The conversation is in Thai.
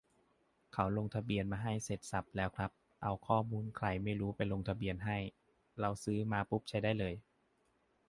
เขาลงทะเบียนมาให้เสร็จสรรพแล้วครับ เอาข้อมูลใครไม่รู้ไปลงทะเบียนให้ เราซื้อมาปุ๊บใช้ได้เลย